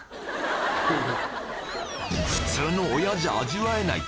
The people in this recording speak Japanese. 普通の親じゃ味わえない